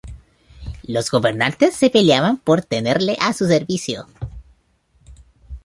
Los gobernantes se peleaban por tenerle a su servicio.